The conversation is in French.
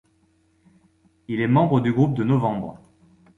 Il est membre du groupe de Novembre.